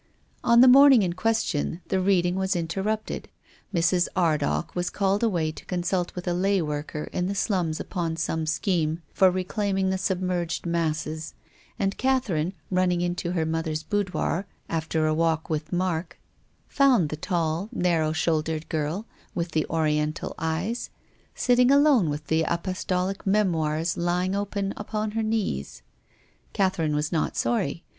On the morning in question the reading was interrupted. Mrs. Ardagh was called away to consult with a lay worker in the slums upon some scheme for reclaiming the submerged masses, and Catherine, running in to her mother's boudoir after a walk with Mark, found the tall, narrow shouldered girl with the oriental eyes sitting alone with the apostolic memoirs lying open upon her knees. Catherine was not sorry.